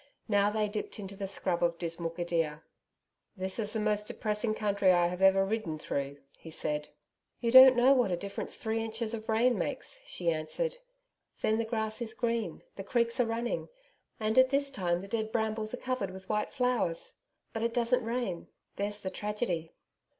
Now they dipped into a scrub of dismal gidia. 'This is the most depressing country I have ever ridden through,' he said. 'You don't know what a difference three inches of rain makes,' she answered. 'Then the grass is green, the creeks are running, and at this time the dead brambles are covered with white flowers. But it doesn't rain. There's the tragedy.'